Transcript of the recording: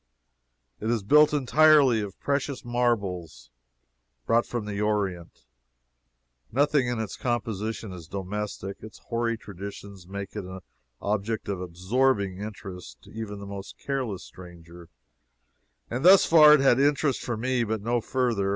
It is built entirely of precious marbles, brought from the Orient nothing in its composition is domestic. Its hoary traditions make it an object of absorbing interest to even the most careless stranger, and thus far it had interest for me; but no further.